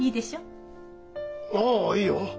ああいいよ。